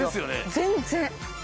全然！